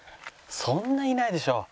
そんないないでしょう。